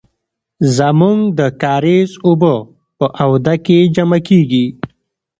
زمونږ د کاریز اوبه په آوده کې جمع کیږي.